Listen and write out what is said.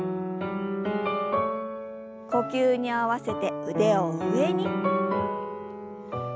呼吸に合わせて腕を上に。